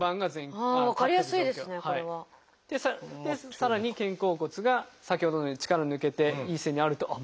さらに肩甲骨が先ほどのように力抜けていい姿勢になると。